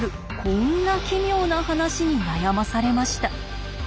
こんな奇妙な話に悩まされました。